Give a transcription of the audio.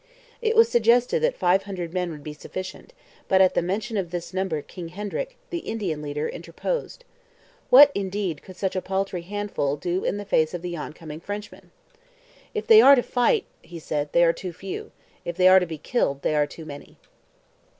It was suggested that five hundred men would be sufficient, but at the mention of this number King Hendrick, the Indian leader, interposed. What, indeed, could such a paltry handful do in the face of the oncoming Frenchmen? 'If they are to fight,' he said, 'they are too few; if they are to be killed, they are too many.'